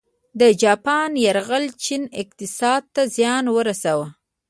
د جاپان یرغل چین اقتصاد ته زیان ورساوه.